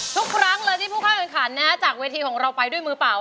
ทุกครั้งเลยที่ผู้เข้าแข่งขันจากเวทีของเราไปด้วยมือเปล่า